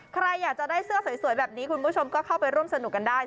ใครอยากจะได้เสื้อสวยแบบนี้คุณผู้ชมก็เข้าไปร่วมสนุกกันได้